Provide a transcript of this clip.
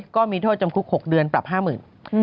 ก็มีโทษจำคุก๖เดือนปรับ๕๐๐๐บาท